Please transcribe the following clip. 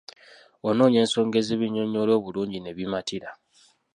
Onoonya ensonga ezibinnyonnyola obulungi ne bimatira.